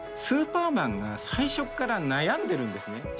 スーパーマンが最初っから悩んでるんですね。